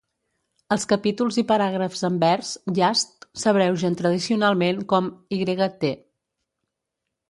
Els capítols i paràgrafs en vers "Yasht" s'abreugen tradicionalment com "Yt".